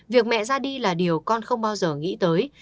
việc mẹ ra đi là điều con không bao giờ nghĩ tới